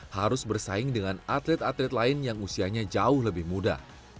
harus bersaing dengan atlet atlet lain yang usianya jauh lebih muda